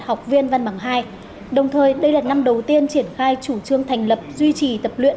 học viên văn bằng hai đồng thời đây là năm đầu tiên triển khai chủ trương thành lập duy trì tập luyện